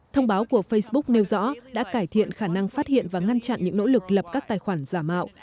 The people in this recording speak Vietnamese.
thông báo của facebook nêu rõ đã cải thiện khả năng phát hiện và ngăn chặn những nỗ lực lập các tài khoản giả mạo